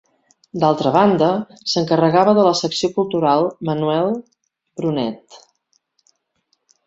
D'altra banda, s'encarregava de la secció cultural Manuel Brunet.